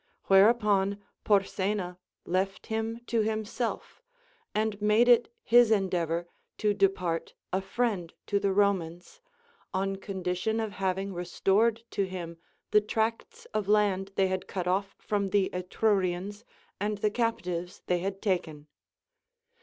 Whereupon Porsena left him to himself, and made it his endeaA or to depart a friend to the Romans, on condition of having restored to him the tracts of land they had cut off from the Etrurians and the captives they had taken.